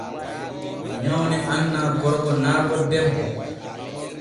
Nyawne annaa gorko naa bo debbo.